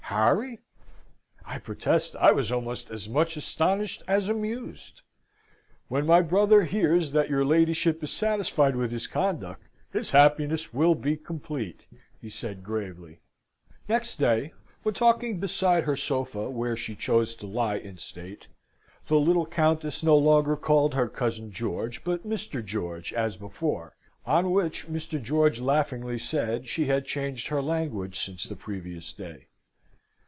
Harry! I protest I was almost as much astonished as amused. "When my brother hears that your ladyship is satisfied with his conduct, his happiness will be complete," I said gravely. Next day, when talking beside her sofa, where she chose to lie in state, the little Countess no longer called her cousin "George," but "Mr. George," as before; on which Mr. George laughingly said she had changed her language since the previous day.